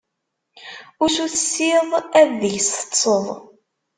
Usu tessiḍ, ad deg-s teṭṭseḍ.